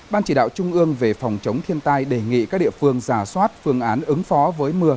ban chỉ đạo trung ương về phòng chống thiên tai đề nghị các địa phương giả soát phương án ứng phó với mưa